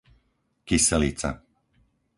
Kyselica